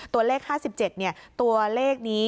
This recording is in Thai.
ตัวเลข๕๗ตัวเลขนี้